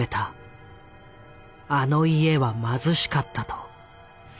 「あの家は貧しかった」と。